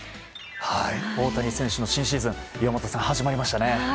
大谷選手の新シーズン始まりましたね。